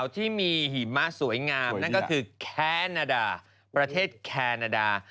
ที่มีหิมะสวยงามนั่นก็คือแคนาดาประเทศแคนาดา